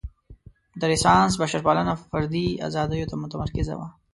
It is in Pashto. د رنسانس بشرپالنه په فردي ازادیو متمرکزه وه.